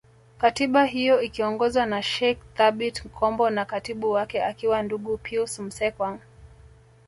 Katiba hiyo ikiongozwa na Sheikh Thabit Kombo na Katibu wake akiwa Ndugu Pius Msekwa